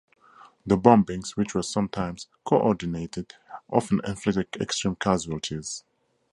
The bombings, which were sometimes co-ordinated, often inflicted extreme casualties.